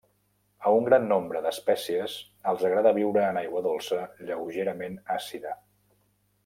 A un gran nombre d'espècies els agrada viure en aigua dolça lleugerament àcida.